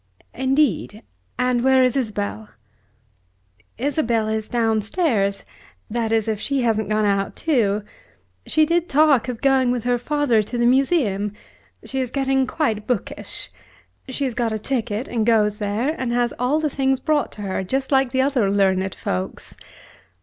"Indeed! and where is Isabel?" "Isabel is downstairs, that is if she hasn't gone out too. She did talk of going with her father to the Museum. She is getting quite bookish. She has got a ticket, and goes there, and has all the things brought to her just like the other learned folks."